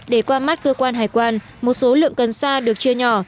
để qua mắt cơ quan hải quan một số lượng cần xa được chia nhỏ